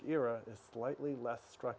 sedikit sedikit terbentuk